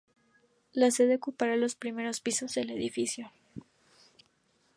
La sede ocupará los primeros pisos del edificio.